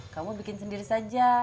kamu bikin sendiri saja